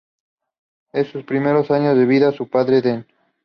En sus primeros años de vida, su padre Dn.